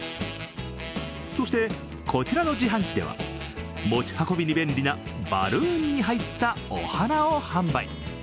そしてこちらの自販機では、持ち運びに便利なバルーンに入ったお花を販売。